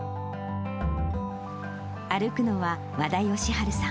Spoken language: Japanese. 歩くのは和田義治さん